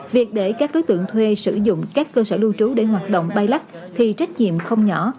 việc để các đối tượng thuê sử dụng các cơ sở lưu trú để hoạt động bay lắc thì trách nhiệm không nhỏ